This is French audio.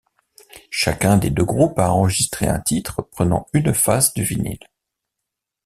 Chacun des deux groupes a enregistré un titre prenant une face du vinyle.